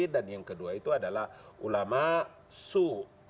dan yang kedua itu adalah ulama su